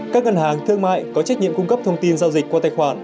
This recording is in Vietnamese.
các ngân hàng thương mại có trách nhiệm cung cấp thông tin giao dịch qua tài khoản